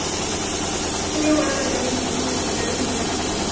Fue tío-abuelo de Carlos Espinosa de los Monteros y Bernaldo de Quirós.